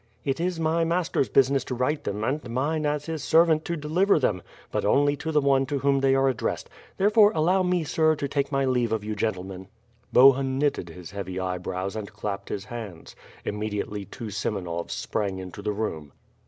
"It is my master's business to write them; and mine, as his servant, to deliver them. But only to the one to whom they are addressed; therefore, allow me, sir, to take my leave of you gentlemen." Bohun knitted his heavy eyebrows and clapped his hands. Immediately two Semenovs sprang into the room.